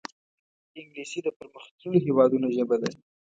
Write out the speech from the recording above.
انګلیسي د پرمختللو هېوادونو ژبه ده